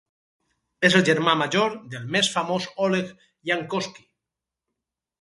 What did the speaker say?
És el germà major del més famós Oleg Yankovsky.